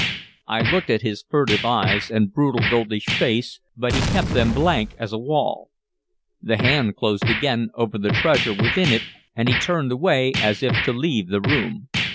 I looked at his furtive eyes and brutal, doltish face, but he kept them blank as a wall. The hand closed again over the treasure within it, and he turned away as if to leave the room.